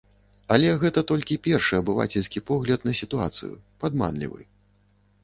Але гэта толькі першы абывацельскі погляд на сітуацыю, падманлівы.